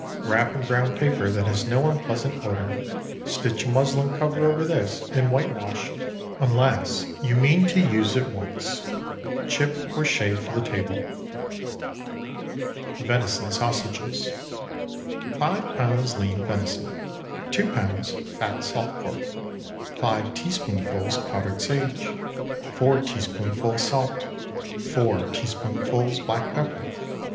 Wrap in brown paper that has no unpleasant odor, stitch a muslin cover over this, and whitewash, unless you mean to use at once. Chip or shave for the table. VENISON SAUSAGES. 5 lbs. lean venison. 2 lbs. fat salt pork. 5 teaspoonfuls powdered sage. 4 teaspoonfuls salt. 4 teaspoonfuls black pepper.